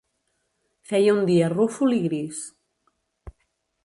Feia un dia rúfol i gris.